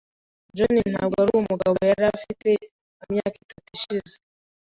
John ntabwo arumugabo yari afite mumyaka itatu ishize.